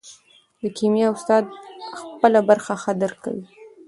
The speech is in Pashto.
د کیمیا استاد خپله برخه ښه درک کوي.